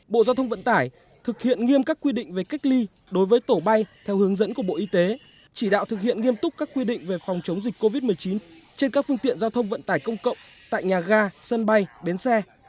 bộ giao thông vận tải thực hiện nghiêm các quy định về cách ly đối với tổ bay theo hướng dẫn của bộ y tế chỉ đạo thực hiện nghiêm túc các quy định về phòng chống dịch covid một mươi chín trên các phương tiện giao thông vận tải công cộng tại nhà ga sân bay bến xe